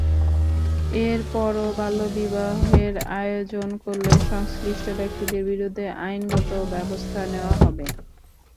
এরপরও বাল্যবিবাহের আয়োজন করলে সংশ্লিষ্ট ব্যক্তিদের বিরুদ্ধে আইনগত ব্যবস্থা নেওয়া হবে।